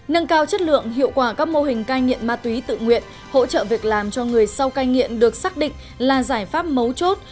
nâng cao chất lượng hiệu quả các mô hình cai nghiện ma túy tự nguyện hỗ trợ việc làm cho người sau cai nghiện được xác định là giải pháp mấu chốt